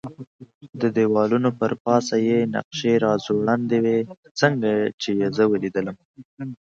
د دېوالونو پر پاسه یې نقشې را ځوړندې وې، څنګه چې یې زه ولیدلم.